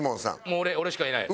もう俺俺しかいない。